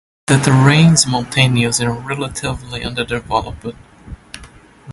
The terrain is mountainous and relatively undeveloped.